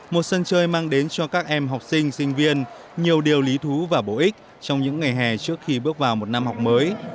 một sân chơi mang đến cho các em học sinh sinh viên nhiều điều lý thú và bổ ích trong những ngày hè trước khi bước vào một năm học mới